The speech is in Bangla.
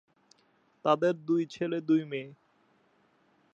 তাদের দুই ছেলে, দুই মেয়ে।